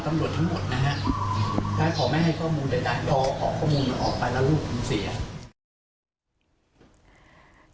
ถ้าขอไม่ให้ข้อมูลใดพ่อขอข้อมูลออกไปแล้วลูกมันเสีย